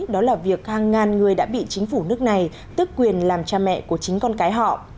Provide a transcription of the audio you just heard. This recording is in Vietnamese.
đó là việc hàng ngàn người đã bị chính phủ nước này tức quyền làm cha mẹ của chính con cái họ